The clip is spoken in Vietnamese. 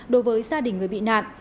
đối với gia đình người bị nạn